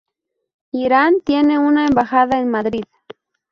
Irán tiene una embajada en Madrid.